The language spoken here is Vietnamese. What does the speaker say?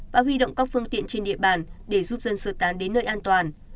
và huy động các phương tiện trên địa bàn để giúp dân sơ tán đến nơi an toàn